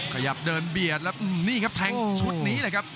ขยับเดินเบียดแล้วนี่ครับแทงชุดนี้เลยครับ